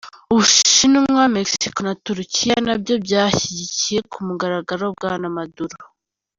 Ubushinwa, Mexico na Turukiya, nabyo byashyigikiye ku mugaragaro Bwana Maduro.